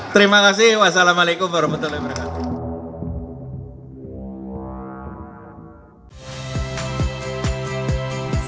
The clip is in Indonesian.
terima kasih wassalamualaikum warahmatullahi wabarakatuh